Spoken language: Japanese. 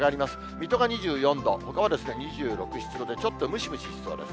水戸が２４度、ほかは２６、７度で、ちょっとムシムシしそうです。